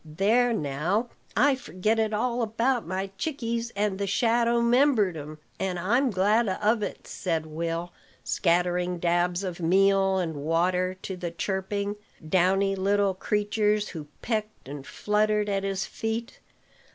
"There, now! I forgetted all about my chickeys, and the shadow 'membered 'em; and I'm glad of it," said Will, scattering dabs of meal and water to the chirping, downy little creatures who pecked and fluttered at his feet.